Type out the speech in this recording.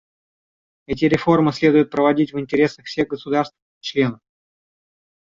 Эти реформы следует проводить в интересах всех государств-членов.